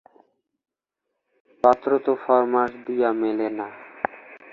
পাত্র তো ফর্মাশ দিয়া মেলে না।